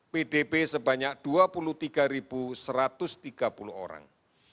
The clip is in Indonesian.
pdb sebanyak dua puluh tiga satu ratus tiga puluh orang